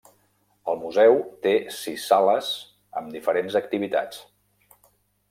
El museu té sis sales amb diferents activitats.